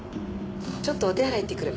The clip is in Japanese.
ちょっとお手洗い行ってくる。